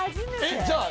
じゃあ。